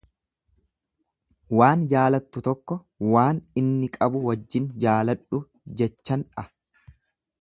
Waan jaalattu tokko waan inni qabu wajjin jaaladhu jechandha.